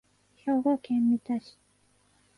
兵庫県三田市